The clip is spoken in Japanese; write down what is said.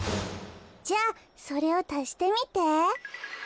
じゃあそれをたしてみて。